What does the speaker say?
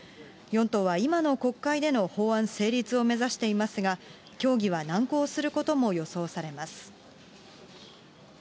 ４党は今の国会での法案成立を目指していますが、協議は難航することも予想されます。